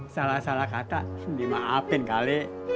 salah salah kata dimaafin kali